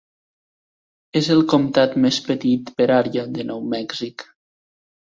És el comtat més petit per àrea de Nou Mèxic.